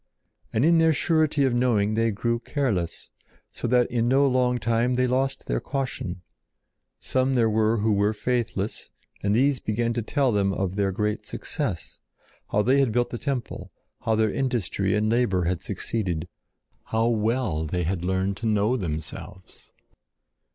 And in their surety of knowing they grew careless, so that in no long time they lost their caution. Some there were who were faithless, and these began to tell them of their great success; how they had built the temple; how their industry and labor had succeeded; how well they had learned to know themselves.